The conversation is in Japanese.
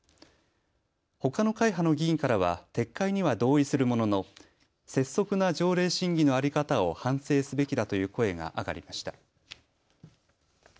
ほかの会派の議員からは撤回には同意するものの拙速な条例審議の在り方を反省すべきだという声が上がりました。